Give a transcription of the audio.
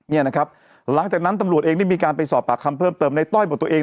เนี่ยนะครับหลังจากนั้นตำรวจเองได้มีการไปสอบปากคำเพิ่มเติมในต้อยบอกตัวเอง